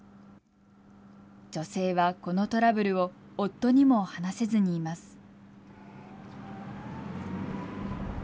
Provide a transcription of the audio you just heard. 女性はこのトラブルを夫にも話せずにいます。